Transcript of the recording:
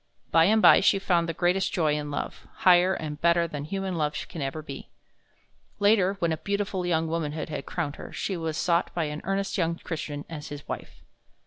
By and by she found the greatest joy in love, higher and better than human love can ever be. Later, when a beautiful young womanhood had crowned her, she was sought by an earnest young Christian as his wife.